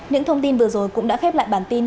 những thông tin vừa rồi cũng đã khép lại bản tin